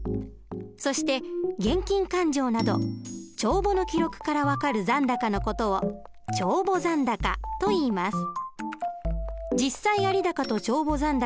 そして現金勘定など帳簿の記録から分かる残高の事を帳簿残高といいます。